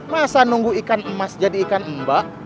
masa nunggu ikan emas jadi ikan mbah